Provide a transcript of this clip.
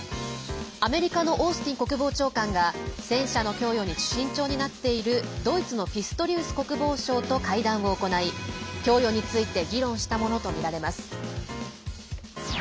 アメリカのオースティン国防長官が戦車の供与に慎重になっているドイツのピストリウス国防相と会談を行い供与について議論したものとみられます。